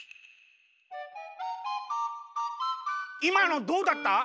いまのどうだった？